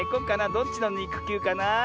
どっちのにくきゅうかな。